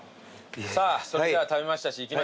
さあそれじゃ食べましたし行きましょうか。